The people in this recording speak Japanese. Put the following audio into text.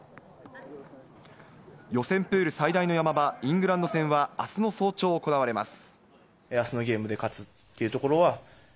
予選プール最大のヤマ場、イングランド戦はあすの早朝行われます。